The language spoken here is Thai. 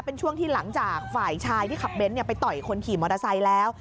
เป็นช่วงที่หลังจากฝ่ายชายที่ขับเน้นไปต่อยคนขี่มอเตอร์ไซค์แล้ว